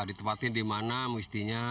ditempatin di mana mestinya